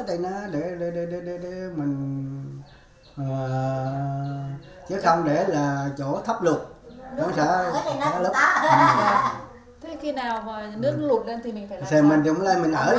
thì ta đám lại